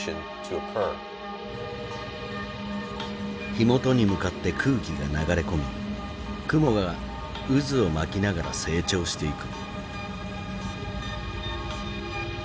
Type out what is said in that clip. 火元に向かって空気が流れ込み雲が渦を巻きながら成長していく。